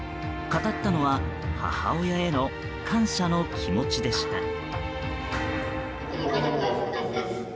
語ったのは母親への感謝の気持ちでした。